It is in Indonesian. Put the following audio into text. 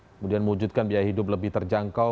kemudian mewujudkan biaya hidup lebih terjangkau